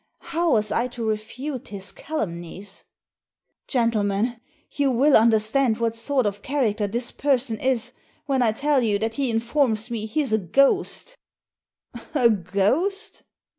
How was I to refute his calumnies ? "Gentlemen, you will understand what sort of character this person is when I tell you that he informs me he's a ghost" "A ghost!"